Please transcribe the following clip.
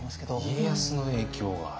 家康の影響がある。